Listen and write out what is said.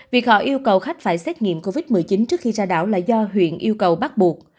việc họ yêu cầu khách phải xét nghiệm covid một mươi chín trước khi ra đảo là do huyện yêu cầu bắt buộc